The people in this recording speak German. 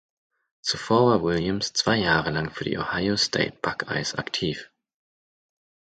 Zuvor war Williams zwei Jahre lang für die Ohio State Buckeyes aktiv.